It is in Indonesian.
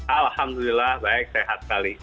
alhamdulillah baik sehat sekali